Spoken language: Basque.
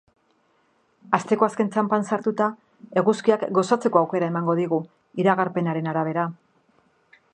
Asteko azken txanpan sartuta, eguzkiak gozatzeko aukera emango digu, iragarpenaren arabera.